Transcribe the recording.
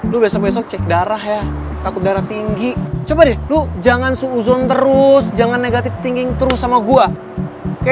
lu besok besok cek darah ya takut darah tinggi coba deh lu jangan suuzon terus jangan negative thinking terus sama gue kayak